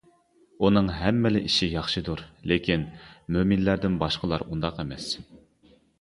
ئۇنىڭ ھەممىلا ئىشى ياخشىدۇر، لېكىن مۆمىنلەردىن باشقىلار ئۇنداق ئەمەس.